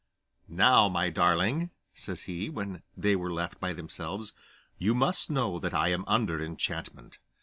'Now, my darling,' says he, when they were left by themselves, 'you must know that I am under enchantment.